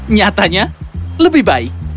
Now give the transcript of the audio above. nyatanya lebih baik